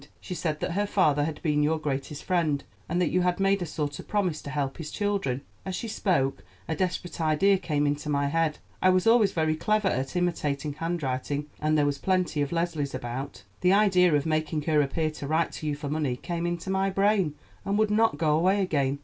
She said that her father had been your greatest friend, and that you had made a sort of promise to help his children. As she spoke, a desperate idea came into my head. I was always very clever at imitating handwriting, and there was plenty of Leslie's about. The idea of making her appear to write to you for money came into my brain, and would not go away again.